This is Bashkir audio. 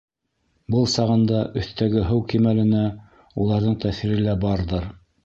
Был сағында өҫтәге һыу кимәленә уларҙың тәьҫире лә барҙыр...